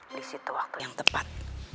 di situ waktu yang tepat